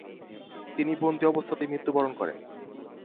তিনি বন্দি অবস্থাতেই মৃত্যুবরণ করেন।